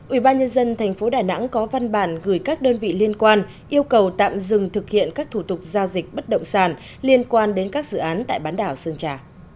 ubnd tp đà nẵng có văn bản gửi các đơn vị liên quan yêu cầu tạm dừng thực hiện các thủ tục giao dịch bất động sàn liên quan đến các dự án tại bán đảo sơn trà